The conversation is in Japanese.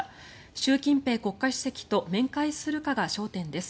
習近平国家主席と面会するかが焦点です。